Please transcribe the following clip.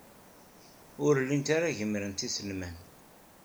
Ur llint ara gemmrent iselman.